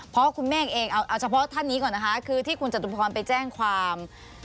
เพราะคุณเมฆเองเอาเฉพาะท่านนี้ก่อนนะคะคือที่คุณจตุพรไปแจ้งความ